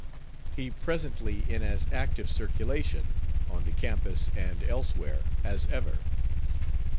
He presently in as active circulation, on the campus and elsewhere, as ever.